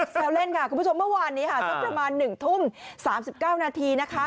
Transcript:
แซวเล่นค่ะคุณผู้ชมเมื่อวานนี้ค่ะสักประมาณหนึ่งทุ่มสามสิบเก้านาทีนะคะ